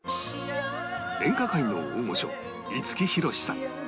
演歌界の大御所五木ひろしさん